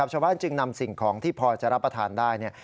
ชาวบ้านจึงนำสิ่งของที่พอจะรับประทานได้